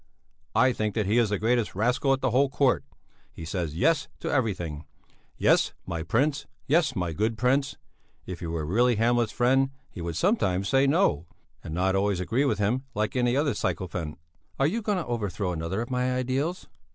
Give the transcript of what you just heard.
"I think that he is the greatest rascal at the whole court; he says Yes to everything: 'Yes, my prince; yes, my good prince.' If he were really Hamlet's friend, he would sometimes say No, and not always agree with him like any other sycophant." "Are you going to overthrow another of my ideals?"